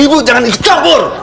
ibu jangan ikut campur